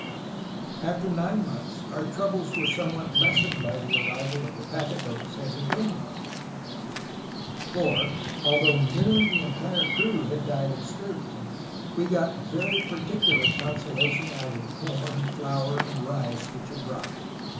"After nine months our troubles were somewhat lessened by the arrival of the packet boat San Antonio; for, although nearly the entire crew had died of scurvy, we got very particular consolation out of the corn, flour, and rice which it brought.